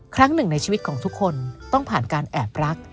ครั้งหนึ่งในชีวิตของทุกคนต้องผ่านการแอบรัก